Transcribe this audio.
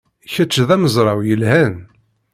Kečč d amezraw yelhan.